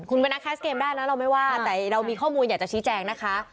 คุณเป็นนักแคสเกมได้นะเราไม่ว่าแต่เรามีข้อมูลอยากจะชี้แจงนะคะ